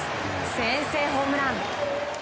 先制ホームラン。